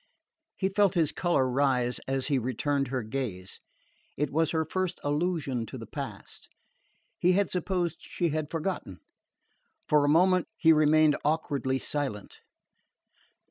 He felt his colour rise as he returned her gaze. It was her first allusion to the past. He had supposed she had forgotten. For a moment he remained awkwardly silent.